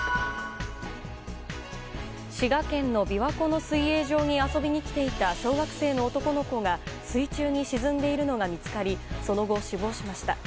滋賀県の琵琶湖の水泳場に遊びに来ていた小学生の男の子が水中に沈んでいるのが見つかりその後、死亡しました。